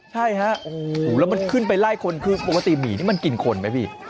ใช่ฮะโอ้โหแล้วมันขึ้นไปไล่คนคือปกติหมี่นี่มันกินคนไหมพี่